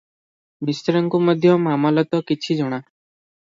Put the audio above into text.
ମିଶ୍ରଙ୍କୁ ମଧ୍ୟ ମାମଲତ କିଛି ଜଣା ।